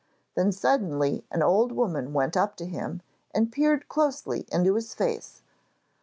Then suddenly an old woman went up to him, and peered closely into his face.